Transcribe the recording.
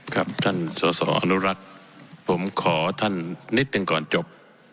ครับท่านสอสออนุรักษ์ผมขอท่านนิดหนึ่งก่อนจบ